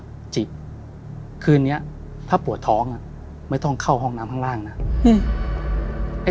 จิคืนนี้ถ้าปวดท้องอ่ะไม่ต้องเข้าห้องน้ำข้างล่างนะอืม